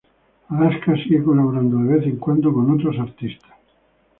Alaska sigue colaborando de vez en cuando con otros artistas.